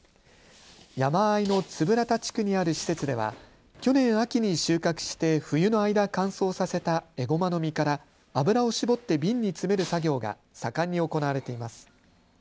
山あいの円良田地区にある施設では去年秋に収穫して冬の間乾燥させたエゴマの実から油を搾って瓶に詰める作業が盛んに行われています。